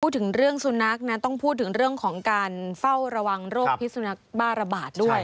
พูดถึงเรื่องสุนัขนะต้องพูดถึงเรื่องของการเฝ้าระวังโรคพิสุนักบ้าระบาดด้วย